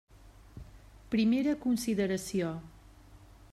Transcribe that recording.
Primera consideració.